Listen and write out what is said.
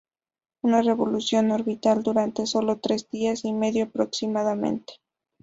Una revolución orbital dura sólo tres días y medio, aproximadamente.